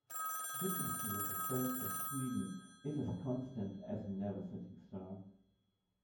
This is to represent that Sweden is as constant as a never setting star.